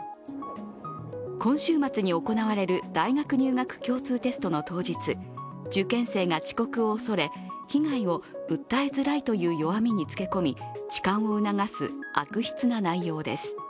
今週末に行われる大学入学共通テストの当日受験生が遅刻を恐れ被害を訴えづらいという弱みにつけ込み、痴漢を促す悪質な内容です。